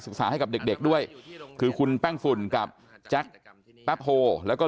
ให้กับเด็กเด็กด้วยคือคุณแป้งฝุ่นกับแจ็คแป๊บโฮแล้วก็